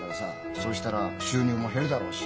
そうしたら収入も減るだろうし。